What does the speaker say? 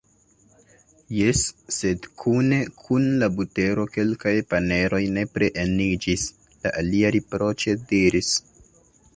"Jes, sed kune kun la butero kelkaj paneroj nepre eniĝis," la alia riproĉe diris.